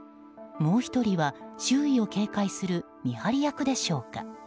もう１人は、周囲を警戒する見張り役でしょうか。